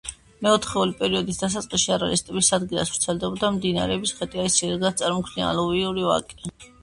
მეოთხეული პერიოდის დასაწყისში არალის ტბის ადგილას ვრცელდებოდა მდინარეების ხეტიალის შედეგად წარმოქმნილი ალუვიური ვაკე.